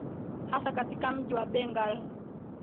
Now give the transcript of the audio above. hasa katika mji wa bengal